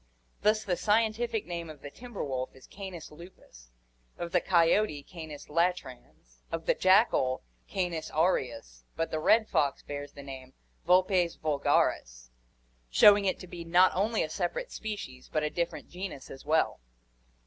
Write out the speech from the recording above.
Thus the scientific name of the timber wolf is Cants lupus, of the coyote Cants latrans, of the jackal Cants aureus; but the red fox bears the name Vulpes vulgaris, showing it to be not only a separate species but a different genus as well.